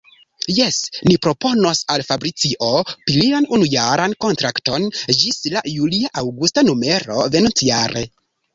Jes, ni proponos al Fabricio plian unujaran kontrakton, ĝis la julia-aŭgusta numero venontjare.